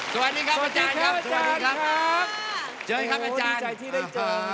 สวัสดีครับอาจารย์ครับ